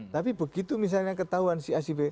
tapi begitu misalnya ketahuan si acp